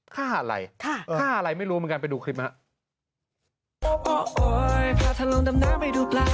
ค่าอะไรค่าอะไรไม่รู้เหมือนกันไปดูคลิปครับ